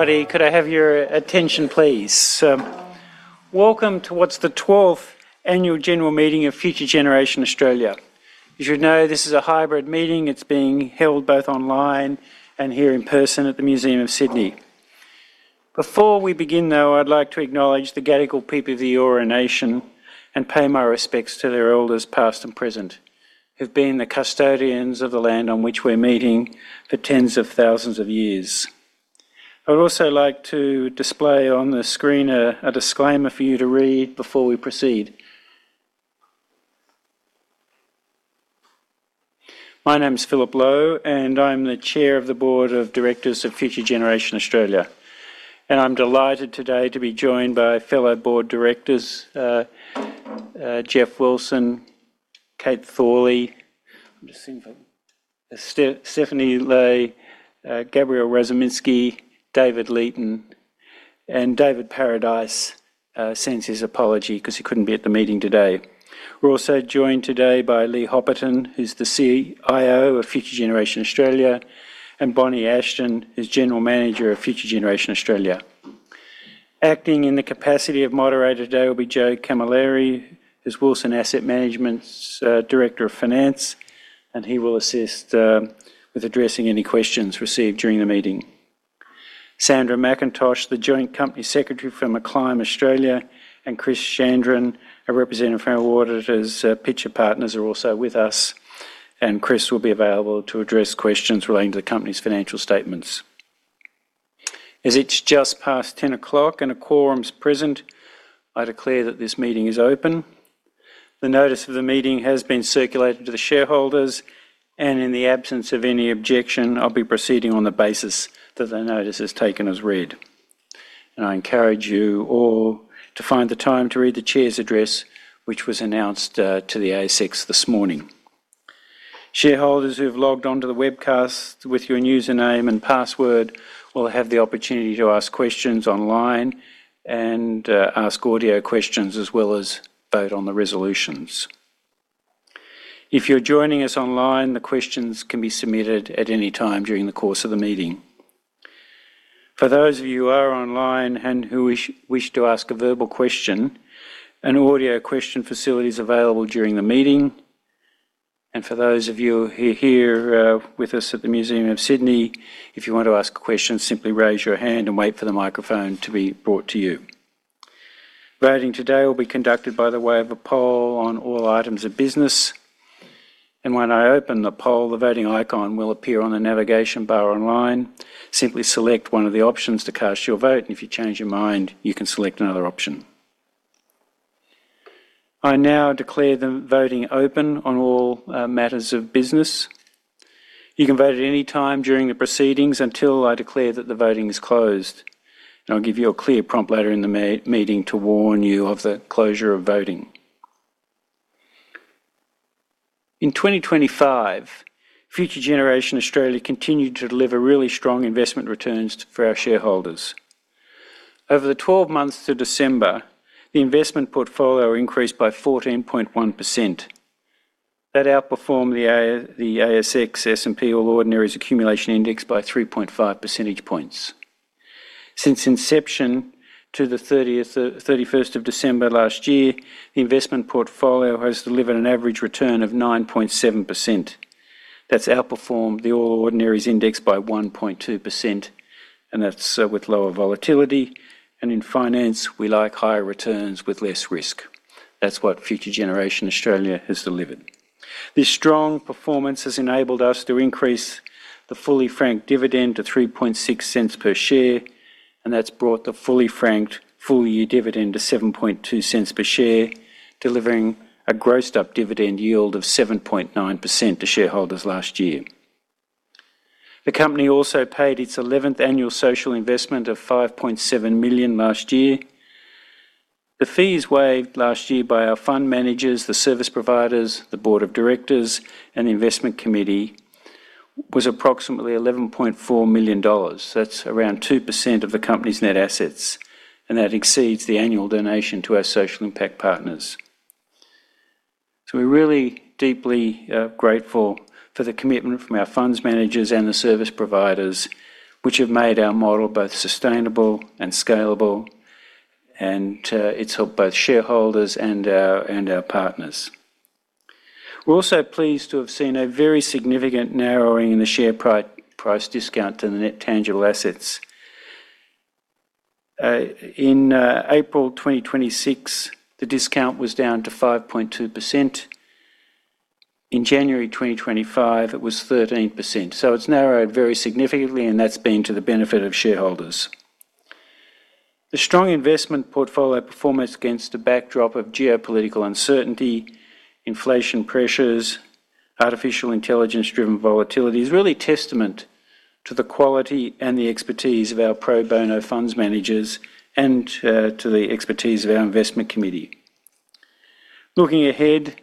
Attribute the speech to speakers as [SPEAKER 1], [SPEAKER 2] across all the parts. [SPEAKER 1] Everybody, could I have your attention please? Welcome to what's the 12th annual general meeting of Future Generation Australia. As you know, this is a hybrid meeting. It's being held both online and here in person at the Museum of Sydney. Before we begin, though, I'd like to acknowledge the Gadigal people of the Eora Nation and pay my respects to their elders past and present, who've been the custodians of the land on which we're meeting for tens of thousands of years. I would also like to display on the screen a disclaimer for you to read before we proceed. My name is Philip Lowe, and I'm the Chair of the Board of Directors of Future Generation Australia, and I'm delighted today to be joined by fellow Board Directors, Geoff Wilson, Kate Thorley, I'm just seeing if Stephanie Lai, Gabriel Radzyminski, David Leeton, and David Paradice sends his apology 'cause he couldn't be at the meeting today. We're also joined today by Lee Hopperton, who's the CIO of Future Generation Australia, and Bonnie Ashton, who's General Manager of Future Generation Australia. Acting in the capacity of moderator today will be Joe Camilleri, who's Wilson Asset Management's Director of Finance, and he will assist with addressing any questions received during the meeting. Sandra McIntosh, the joint company secretary from Acclime Australia, and Chris Chandran, a representative from our auditors, Pitcher Partners, are also with us. Chris will be available to address questions relating to the company's financial statements. As it's just past 10:00 A.M and a quorum's present, I declare that this meeting is open. The notice of the meeting has been circulated to the shareholders. In the absence of any objection, I'll be proceeding on the basis that the notice is taken as read. I encourage you all to find the time to read the chair's address, which was announced to the ASX this morning. Shareholders who have logged on to the webcast with your username and password will have the opportunity to ask questions online and ask audio questions as well as vote on the resolutions. If you're joining us online, the questions can be submitted at any time during the course of the meeting. For those of you who are online and who wish to ask a verbal question, an audio question facility is available during the meeting. For those of you who are here with us at the Museum of Sydney, if you want to ask a question, simply raise your hand and wait for the microphone to be brought to you. Voting today will be conducted by the way of a poll on all items of business. When I open the poll, the voting icon will appear on the navigation bar online. Simply select one of the options to cast your vote. If you change your mind, you can select another option. I now declare the voting open on all matters of business. You can vote at any time during the proceedings until I declare that the voting is closed, and I'll give you a clear prompt later in the meeting to warn you of the closure of voting. In 2025, Future Generation Australia continued to deliver really strong investment returns for our shareholders. Over the 12 months to December, the investment portfolio increased by 14.1%. That outperformed the ASX, S&P All Ordinaries Accumulation Index by 3.5 percentage points. Since inception to the 31st of December last year, the investment portfolio has delivered an average return of 9.7%. That's outperformed the All Ordinaries Index by 1.2%, and that's with lower volatility, and in finance, we like higher returns with less risk. That's what Future Generation Australia has delivered. This strong performance has enabled us to increase the fully franked dividend to 0.036 per share. That's brought the fully franked full-year dividend to 0.072 per share, delivering a grossed-up dividend yield of 7.9% to shareholders last year. The company also paid its 11th annual social investment of 5.7 million last year. The fees waived last year by our fund managers, the service providers, the board of directors, and the investment committee was approximately 11.4 million dollars. That's around 2% of the company's net assets. That exceeds the annual donation to our social impact partners. We're really deeply grateful for the commitment from our funds managers and the service providers, which have made our model both sustainable and scalable. It's helped both shareholders and our partners. We're also pleased to have seen a very significant narrowing in the share price discount to the net tangible assets. In April 2026, the discount was down to 5.2%. In January 2025, it was 13%. It's narrowed very significantly, and that's been to the benefit of shareholders. The strong investment portfolio performance against a backdrop of geopolitical uncertainty, inflation pressures, artificial intelligence-driven volatility is really testament to the quality and the expertise of our pro bono funds managers and to the expertise of our investment committee. Looking ahead,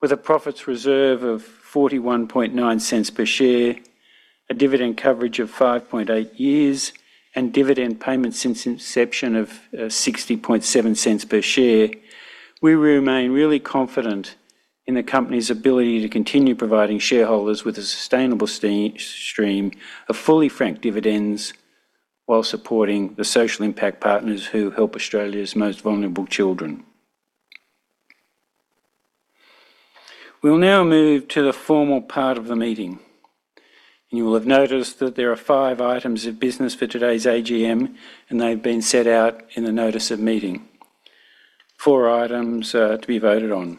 [SPEAKER 1] with a profits reserve of 0.419 per share, a dividend coverage of 5.8 years, and dividend payments since inception of 0.607 per share, we remain really confident in the company's ability to continue providing shareholders with a sustainable stream of fully franked dividends while supporting the social impact partners who help Australia's most vulnerable children. We'll now move to the formal part of the meeting. You will have noticed that there are five items of business for today's AGM, and they've been set out in the notice of meeting. Four items to be voted on.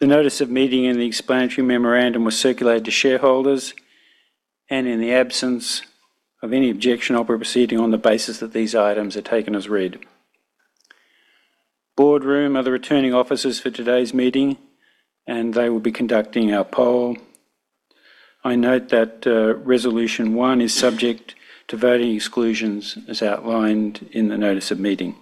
[SPEAKER 1] The notice of meeting and the explanatory memorandum was circulated to shareholders, and in the absence of any objection, I'll be proceeding on the basis that these items are taken as read. Boardroom are the returning officers for today's meeting, and they will be conducting our poll. I note that, resolution one is subject to voting exclusions as outlined in the notice of meeting.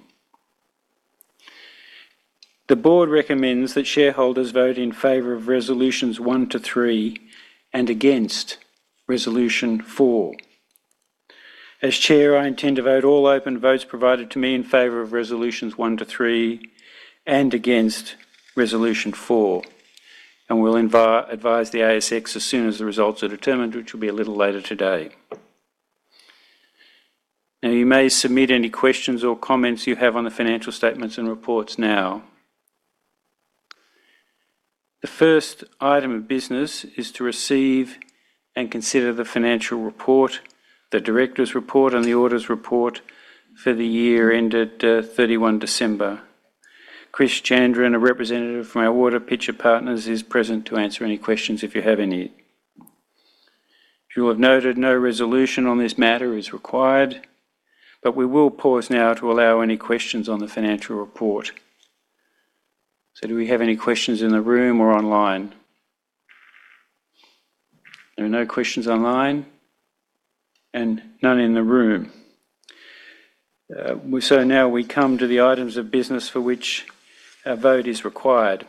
[SPEAKER 1] The board recommends that shareholders vote in favor of resolutions one to three and against resolution four. As chair, I intend to vote all open votes provided to me in favor of resolutions one to three and against resolution four. We'll advise the ASX as soon as the results are determined, which will be a little later today. You may submit any questions or comments you have on the financial statements and reports now. The first item of business is to receive and consider the financial report, the directors report, and the auditors report for the year ended, 31 December. Chris Chandran, a representative from our auditor Pitcher Partners, is present to answer any questions if you have any. You will have noted no resolution on this matter is required. We will pause now to allow any questions on the financial report. Do we have any questions in the room or online? There are no questions online and none in the room. Now we come to the items of business for which a vote is required.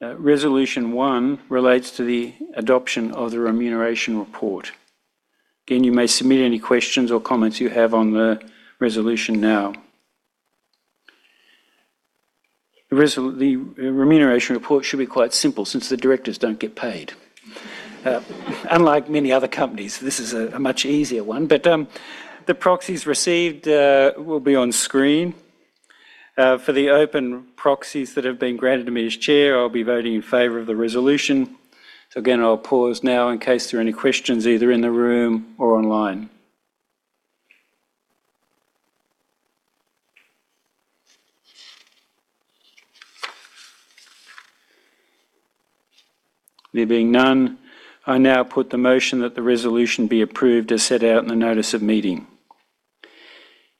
[SPEAKER 1] Resolution one relates to the adoption of the remuneration report. Again, you may submit any questions or comments you have on the resolution now. The remuneration report should be quite simple since the directors don't get paid. Unlike many other companies, this is a much easier one. The proxies received will be on screen. For the open proxies that have been granted to me as chair, I'll be voting in favor of the resolution. Again, I'll pause now in case there are any questions either in the room or online. There being none, I now put the motion that the resolution be approved as set out in the notice of meeting.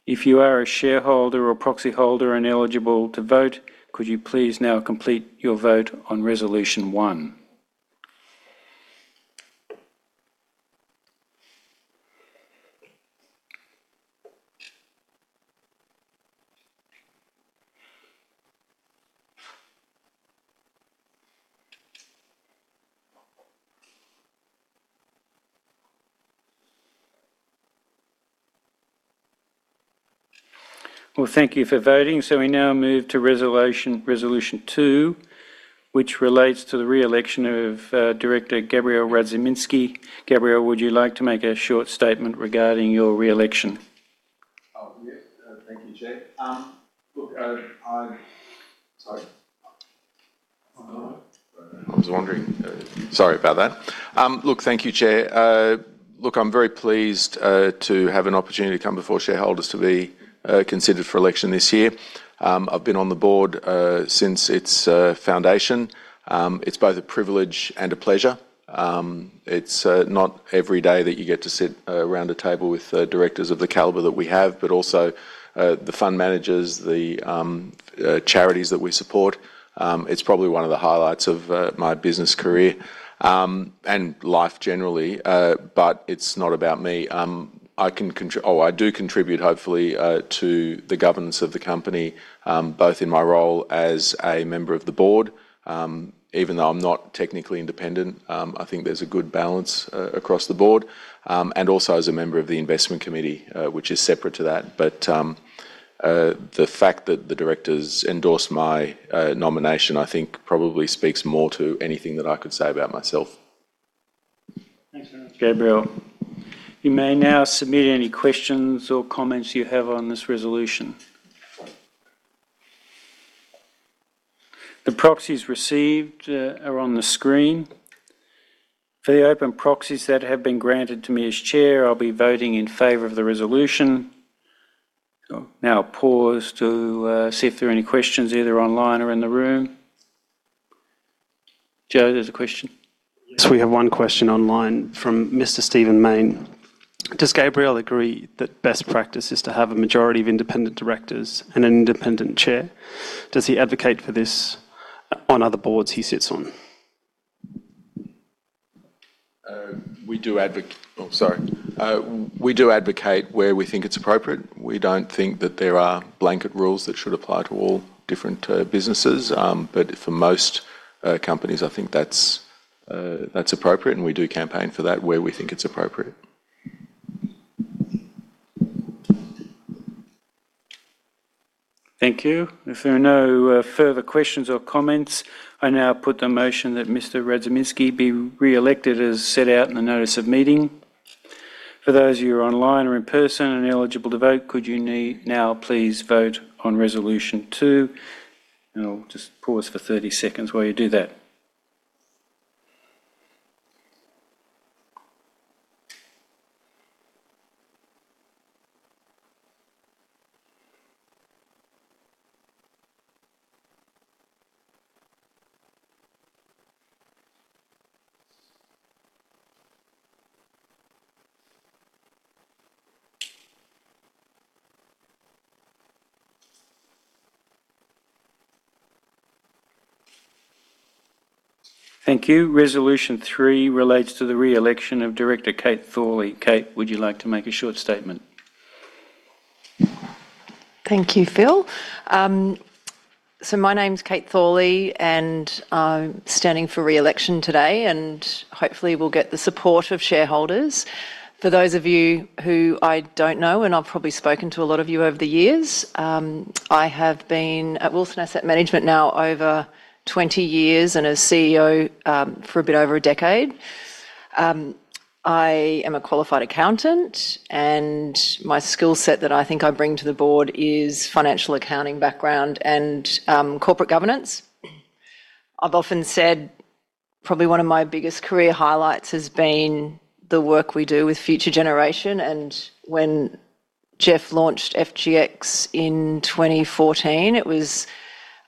[SPEAKER 1] If you are a shareholder or proxy holder and eligible to vote, could you please now complete your vote on resolution one? Well, thank you for voting. We now move to resolution two, which relates to the re-election of Director Gabriel Radzyminski. Gabriel, would you like to make a short statement regarding your re-election?
[SPEAKER 2] Thank you, Chair. Thank you, Chair. I'm very pleased to have an opportunity to come before shareholders to be considered for election this year. I've been on the board since its foundation. It's both a privilege and a pleasure. It's not every day that you get to sit around a table with directors of the caliber that we have, but also the fund managers, the charities that we support. It's probably one of the highlights of my business career and life generally. It's not about me. Oh, I do contribute, hopefully, to the governance of the company, both in my role as a member of the board, even though I'm not technically independent, I think there's a good balance across the board, and also as a member of the investment committee, which is separate to that. The fact that the directors endorsed my nomination, I think probably speaks more to anything that I could say about myself.
[SPEAKER 1] Thanks very much, Gabriel. You may now submit any questions or comments you have on this resolution. The proxies received are on the screen. For the open proxies that have been granted to me as Chair, I'll be voting in favor of the resolution. Pause to see if there are any questions either online or in the room. Joe, there's a question.
[SPEAKER 3] Yes, we have one question online from Mr. Stephen Mayne. Does Gabriel agree that best practice is to have a majority of independent directors and an independent chair? Does he advocate for this on other boards he sits on?
[SPEAKER 2] Oh, sorry. We do advocate where we think it's appropriate. We don't think that there are blanket rules that should apply to all different businesses. For most companies, I think that's appropriate, and we do campaign for that where we think it's appropriate.
[SPEAKER 1] Thank you. If there are no further questions or comments, I now put the motion that Mr. Radzyminski be re-elected as set out in the notice of meeting. For those of you who are online or in person and eligible to vote, could you now please vote on resolution two? I'll just pause for 30 seconds while you do that. Thank you. Resolution three relates to the re-election of Director Kate Thorley. Kate, would you like to make a short statement?
[SPEAKER 4] Thank you, Phil. My name's Kate Thorley, and I'm standing for re-election today, and hopefully will get the support of shareholders. For those of you who I don't know, and I've probably spoken to a lot of you over the years, I have been at Wilson Asset Management now over 20 years, and as CEO, for a bit over 10 years. I am a qualified accountant, and my skill set that I think I bring to the board is financial accounting background and corporate governance. I've often said probably one of my biggest career highlights has been the work we do with Future Generation. When Geoff launched FGX in 2014, it was,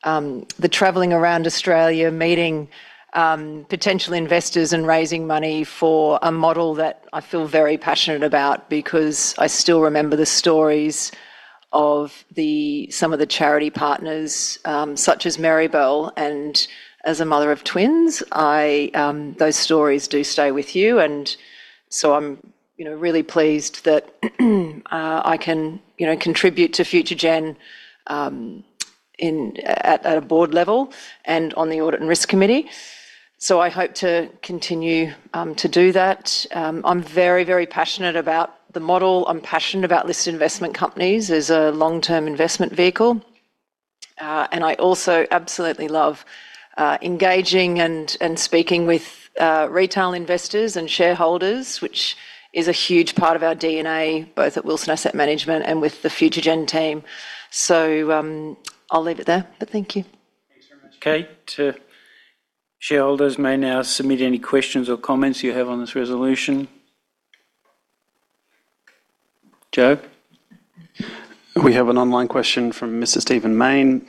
[SPEAKER 4] the traveling around Australia, meeting potential investors and raising money for a model that I feel very passionate about because I still remember the stories of the, some of the charity partners, such as Mirabel Foundation. As a mother of twins, I, those stories do stay with you. I'm, you know, really pleased that I can, you know, contribute to Future Gen in, at a board level and on the audit and risk committee. I hope to continue to do that. I'm very, very passionate about the model. I'm passionate about listed investment companies as a long-term investment vehicle. I also absolutely love engaging and speaking with retail investors and shareholders, which is a huge part of our DNA, both at Wilson Asset Management and with the Future Gen team. I'll leave it there, but thank you.
[SPEAKER 1] Thanks very much, Kate. Shareholders may now submit any questions or comments you have on this resolution. Joe?
[SPEAKER 3] We have an online question from Mr. Stephen Mayne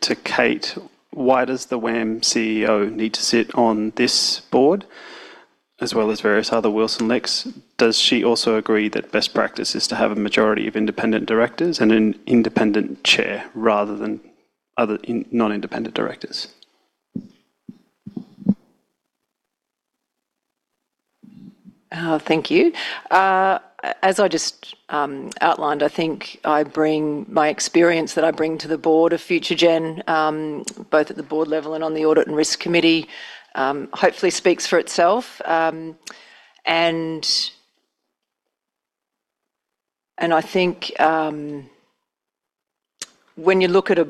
[SPEAKER 3] to Kate. Why does the WAM CEO need to sit on this board as well as various other Wilson LICs? Does she also agree that best practice is to have a majority of independent directors and an independent chair rather than other non-independent directors?
[SPEAKER 4] Thank you. As I just outlined, I think my experience that I bring to the board of Future Gen, both at the board level and on the audit and risk committee, hopefully speaks for itself. I think, when you look at a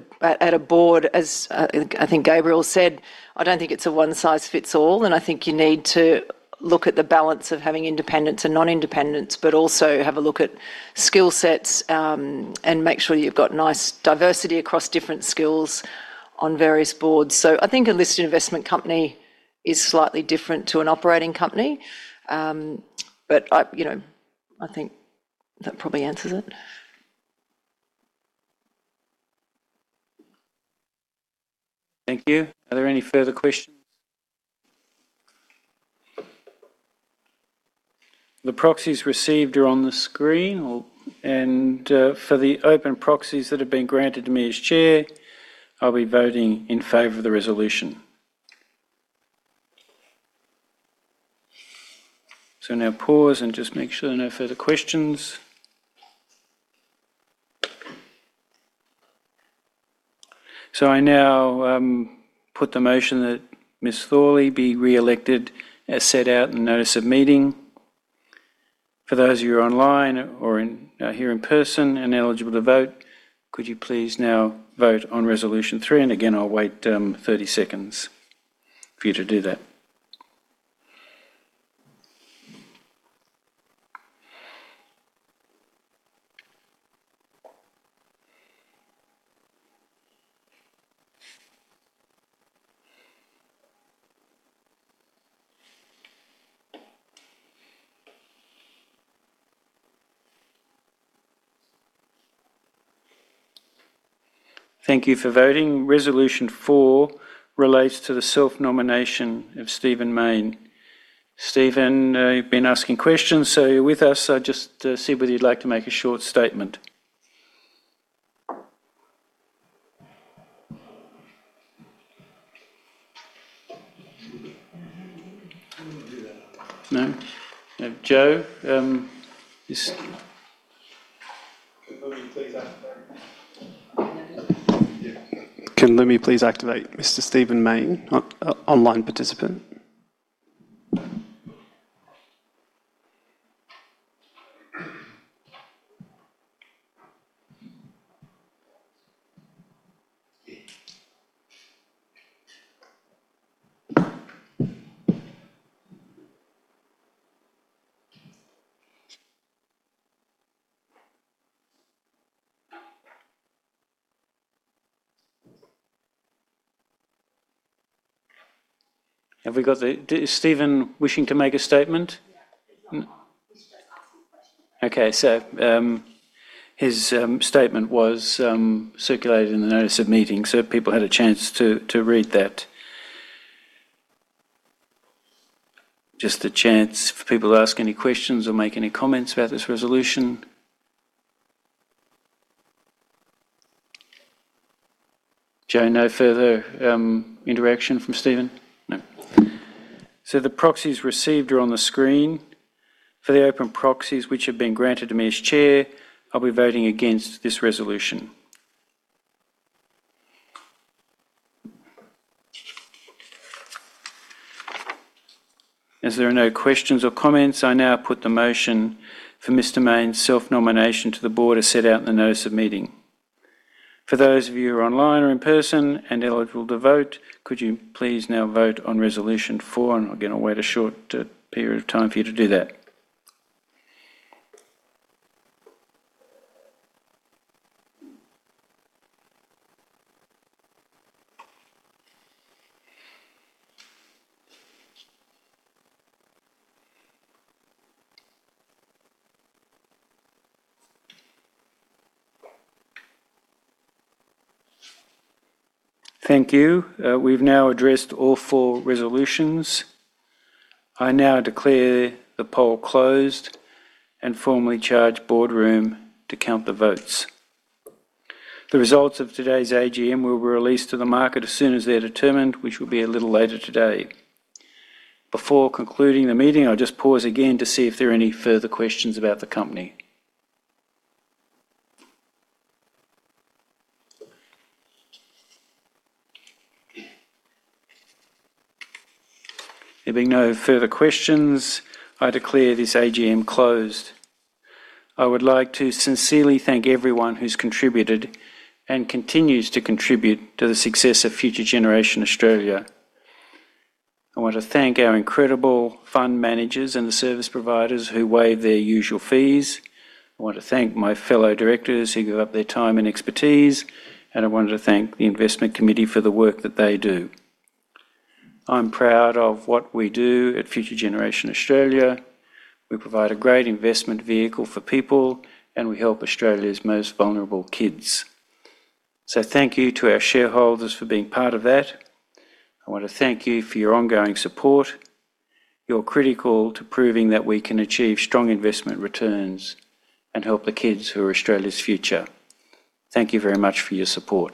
[SPEAKER 4] board, as I think Gabriel said, I don't think it's a one-size-fits-all, and I think you need to look at the balance of having independents and non-independents, but also have a look at skill sets and make sure you've got nice diversity across different skills on various boards. I think a listed investment company is slightly different to an operating company. I, you know, I think that probably answers it.
[SPEAKER 1] Thank you. Are there any further questions? The proxies received are on the screen. For the open proxies that have been granted to me as Chair, I'll be voting in favor of the resolution. Now pause and just make sure no further questions. I now put the motion that Ms. Thorley be re-elected as set out in the notice of meeting. For those of you who are online or in here in person and eligible to vote, could you please now vote on resolution three, and again, I'll wait 30 seconds for you to do that. Thank you for voting. Resolution four relates to the self-nomination of Stephen Mayne. Stephen, you've been asking questions, you're with us. Just to see whether you'd like to make a short statement. No? No. Joe? Can Lumi please activate Mr. Stephen Mayne, online participant? Have we got the, is Stephen wishing to make a statement? Okay. His statement was circulated in the notice of meeting, so people had a chance to read that. Just a chance for people to ask any questions or make any comments about this resolution. Joe, no further interaction from Stephen? No. The proxies received are on the screen. For the open proxies which have been granted to me as chair, I'll be voting against this resolution. As there are no questions or comments, I now put the motion for Mr. Mayne's self-nomination to the board as set out in the notice of meeting. For those of you who are online or in person and eligible to vote, could you please now vote on resolution four? Again, I'll wait a short period of time for you to do that. Thank you. We've now addressed all four resolutions. I now declare the poll closed and formally charge Boardroom to count the votes. The results of today's AGM will be released to the market as soon as they're determined, which will be a little later today. Before concluding the meeting, I'll just pause again to see if there are any further questions about the company. There being no further questions, I declare this AGM closed. I would like to sincerely thank everyone who's contributed and continues to contribute to the success of Future Generation Australia. I want to thank our incredible fund managers and the service providers who waive their usual fees. I want to thank my fellow directors who give up their time and expertise, and I wanted to thank the investment committee for the work that they do. I'm proud of what we do at Future Generation Australia. We provide a great investment vehicle for people, and we help Australia's most vulnerable kids. Thank you to our shareholders for being part of that. I wanna thank you for your ongoing support. You're critical to proving that we can achieve strong investment returns and help the kids who are Australia's future. Thank you very much for your support.